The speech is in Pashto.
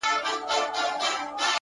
• احسان نه مني قانون د زورورو,